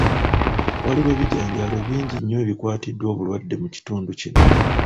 Waliwo ebijanjaalo bingi nnyo ebikwatiddwa obulwadde mu kitundu kino.